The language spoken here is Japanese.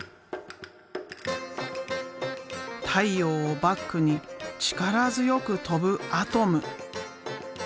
太陽をバックに力強く飛ぶアトム。